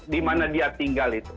di mana dia tinggal itu